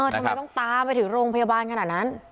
ทำไมต้องตามไปถึงโรงพยาบาลขนาดนั้น